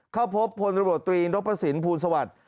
เข้าพบพรตรีนประสิทธิ์ภูมิสวรรค์